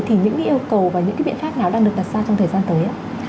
thì những yêu cầu và những biện pháp nào đang được đặt ra trong thời gian tới